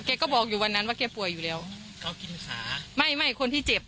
ก็บอกอยู่วันนั้นว่าแกป่วยอยู่แล้วก็กินขาไม่ไม่คนที่เจ็บ